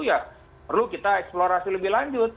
ya perlu kita eksplorasi lebih lanjut